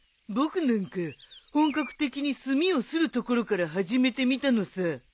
僕なんか本格的に墨をするところから始めてみたのさ。